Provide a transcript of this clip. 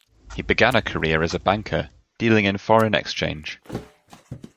He began a career as a banker, dealing in Foreign Exchange.